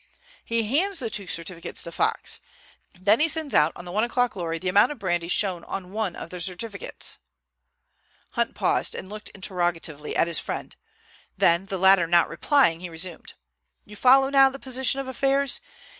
He hands the two certificates to Fox. Then he sends out on the one o'clock lorry the amount of brandy shown on one of the certificates." Hunt paused and looked interrogatively at his friend, then, the latter not replying, he resumed: "You follow now the position of affairs?